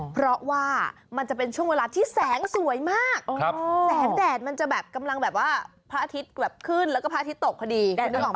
เพราะว่ามันจะเป็นช่วงเวลาที่แสงสวยมากแสงแดดมันจะแบบกำลังแบบว่าพระอาทิตย์กลับขึ้นแล้วก็พระอาทิตย์ตกพอดีคุณนึกออกไหม